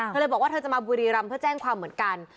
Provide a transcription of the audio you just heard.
เธอเลยบอกว่าเธอจะมาบุรีรำเพื่อแจ้งความเหมือนกัน